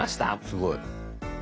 すごい。